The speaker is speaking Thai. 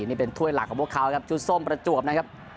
นี่เป็นถ้วยหลักของพวกเขาครับชุดส้มประจวบนะครับ